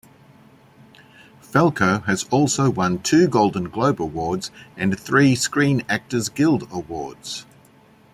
Falco has also won two Golden Globe Awards and three Screen Actors Guild Awards.